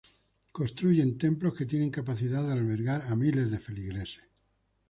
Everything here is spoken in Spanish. Construyen templos que tienen capacidad de albergar a miles de feligreses.